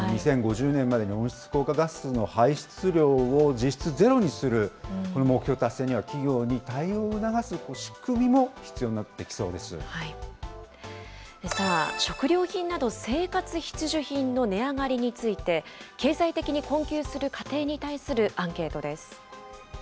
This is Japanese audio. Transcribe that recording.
２０５０年までに温室効果ガスの排出量を実質ゼロにする、この目標達成には、企業に対応を促す仕食料品など、生活必需品の値上がりについて、経済的に困窮する家庭に対するアンケートです。